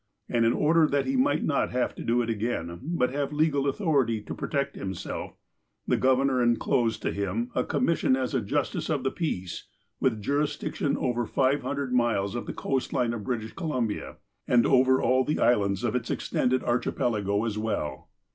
And, in order that he might not have to do it again, but have legal authority to protect himself, the Governor enclosed to him a commission as justice of the peace, with jurisdiction over five hundred miles of the coast line of British Columbia, and over all the islands of its extended archipelago as well.